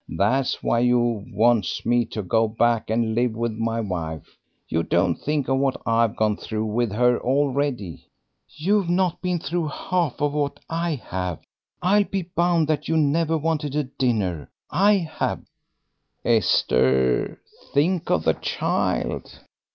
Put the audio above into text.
That's why you wants me to go back and live with my wife. You don't think of what I've gone through with her already." "You've not been through half of what I have. I'll be bound that you never wanted a dinner. I have." "Esther, think of the child."